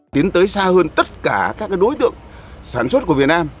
tiến tới xa hơn tất cả các đối tượng sản xuất của việt nam